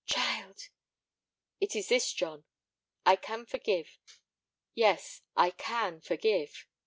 "Child!" "It is this, John: I can forgive—yes, I can forgive."